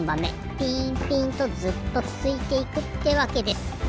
ピンピンとずっとつづいていくってわけです。